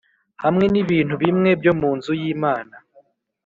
hamwe n’ibintu bimwe byo mu nzu y’Imana